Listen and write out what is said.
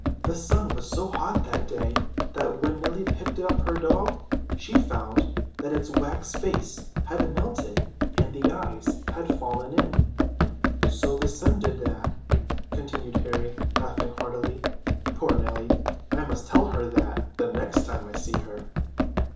The sun was so hot that day that when Nellie picked up her doll, she found that its wax face had melted and the eyes had fallen in. So the sun did that," continued Harry, laughing heartily. "Poor Nellie! I must tell her that the next time I see her."